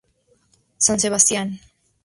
San Sebastián.